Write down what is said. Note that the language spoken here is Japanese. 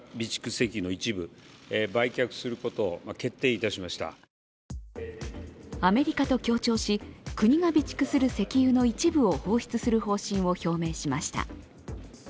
一方、日本政府もアメリカと協調し、国が備蓄する石油の一部を放出する方針を表明しました。